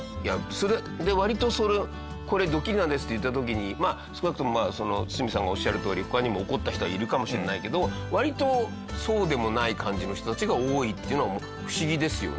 割とそれ「これドッキリなんです」って言った時に少なくとも堤さんがおっしゃるとおり他にも怒った人はいるかもしれないけど割とそうでもない感じの人たちが多いっていうのは不思議ですよね。